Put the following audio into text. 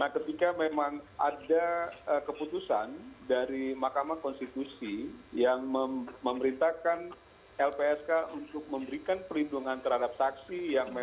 nah ketika memang ada keputusan dari mahkamah konstitusi yang memerintahkan lpsk untuk memberikan perlindungan terhadap saksi